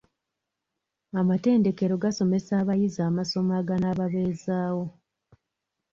Amatendekero gasomesa abayizi amasomo aganaababeezaawo.